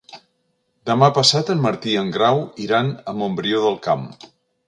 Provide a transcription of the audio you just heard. Demà passat en Martí i en Grau iran a Montbrió del Camp.